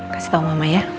kasih tahu mama ya